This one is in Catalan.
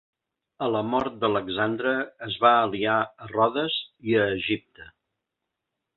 A la mort d'Alexandre es va aliar a Rodes i a Egipte.